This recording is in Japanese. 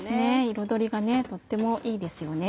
彩りがとってもいいですよね。